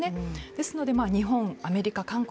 ですので日本、アメリカ、韓国